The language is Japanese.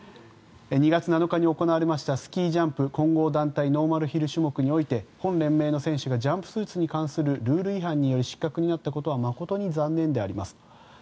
２月７日に行われましたスキージャンプ混合団体ノーマルヒル種目において本連盟の選手がジャンプスーツに関するルール違反により失格になったことは誠に残念であります